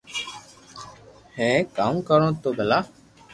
ھي ڪاو ڪرو تو ڀلا